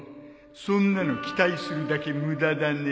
そんなの期待するだけ無駄だね